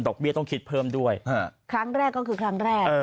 เบี้ยต้องคิดเพิ่มด้วยครั้งแรกก็คือครั้งแรก